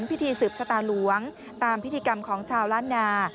พิธีสืบชะตาหลวงตามพิธีกรรมของชาวล้านนา